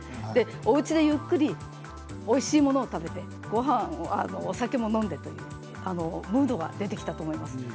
おうちでゆっくりおいしいものを食べてごはんもお酒も飲んでというムードが出てきたと思います。